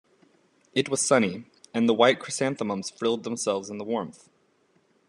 It was sunny, and the white chrysanthemums frilled themselves in the warmth.